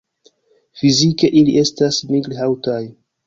Fizike ili estas nigr-haŭtaj.